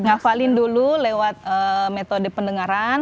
ngafalin dulu lewat metode pendengaran